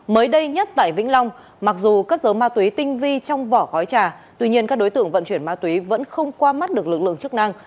mới đây nhất tại vĩnh long mặc dù cất dấu ma túy tinh vi trong vỏ gói trà tuy nhiên các đối tượng vận chuyển ma túy vẫn không qua mắt được lực lượng chức năng